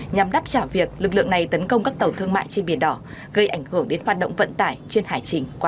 nhằm đáp trả việc lực lượng này tấn công các tàu thương mại trên biển đỏ gây ảnh hưởng đến hoạt động vận tải trên hải trình qua